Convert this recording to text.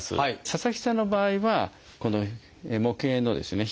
佐々木さんの場合はこの模型のですね